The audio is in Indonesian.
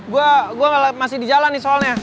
gue masih di jalan nih soalnya